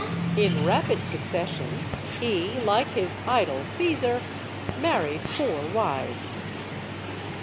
In rapid succession he like his idol, Caesar married four wives.